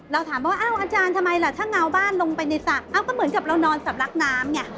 เราถามว่าอ้าวอาจารย์ทำไมล่ะถ้าเงาบ้านลงไปในสระก็เหมือนกับเรานอนสำลักน้ำไง